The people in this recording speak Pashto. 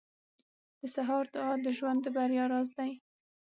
• د سهار دعا د ژوند د بریا راز دی.